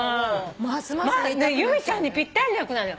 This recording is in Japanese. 由美ちゃんにぴったりの役なのよ。